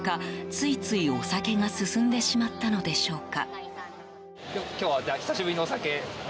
ついついお酒が進んでしまったのでしょうか。